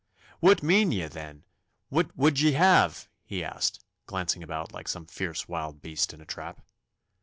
'What mean ye, then? What would ye have?' he asked, glancing about like some fierce wild beast in a trap.